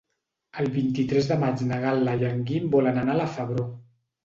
El vint-i-tres de maig na Gal·la i en Guim volen anar a la Febró.